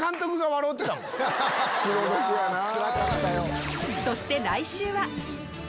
気の毒やなぁ。